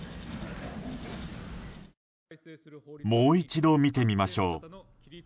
もう一度見てみましょう。